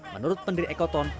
menurut pendiri ekoton